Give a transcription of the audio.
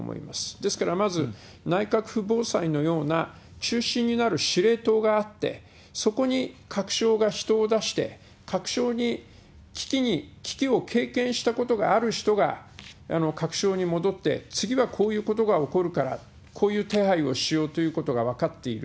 ですからまず、内閣府防災のような中心になる司令塔があって、そこに各省が人を出して、各省に、危機を経験したことがある人が各省に戻って、次はこういうことが起こるから、こういう手配をしようということが分かっている。